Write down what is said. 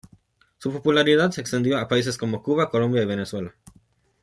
Su popularidad se extendió a países como Cuba, Colombia y Venezuela.